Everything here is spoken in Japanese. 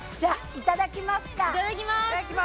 いただきます！